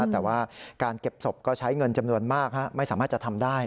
แต่ว่าการเก็บศพก็ใช้เงินจำนวนมากไม่สามารถจะทำได้